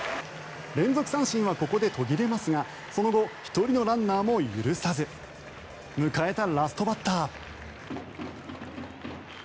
連続三振はここで途切れますがその後、１人のランナーも許さず迎えたラストバッター。